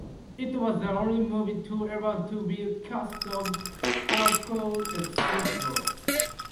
It was the only movie to ever to be cast of Falcon exclusives.